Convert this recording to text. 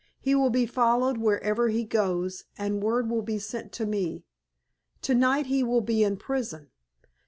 He will be followed wherever he goes, and word will be sent to me. To night he will be in prison.